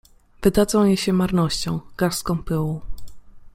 Wydadzą jej się marnością, garstką pyłu…